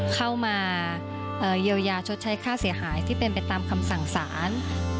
เข้ามาเยียวยาชดใช้ค่าเสียหายที่เป็นไปตามคำสั่งสาร